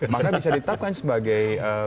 maka bisa ditapkan sebagai